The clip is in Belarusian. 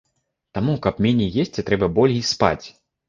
Таму, каб меней есці, трэба болей спаць.